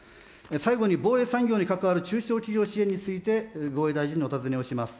最後に防衛産業に関わる中小企業支援について、防衛大臣にお尋ねをいたします。